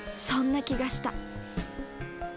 そんな気がした。